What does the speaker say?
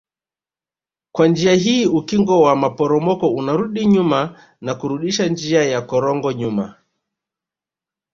Kwa njia hii ukingo wa maporomoko unarudi nyuma na kurudisha njia ya korongo nyuma